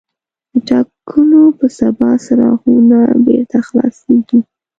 د ټاکنو په سبا څراغونه بېرته خلاصېږي.